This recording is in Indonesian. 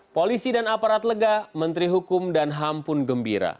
polisi dan aparat lega menteri hukum dan ham pun gembira